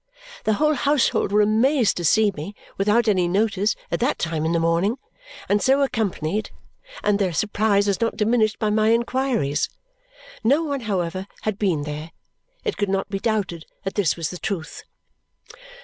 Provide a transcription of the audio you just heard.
The whole household were amazed to see me, without any notice, at that time in the morning, and so accompanied; and their surprise was not diminished by my inquiries. No one, however, had been there. It could not be doubted that this was the truth.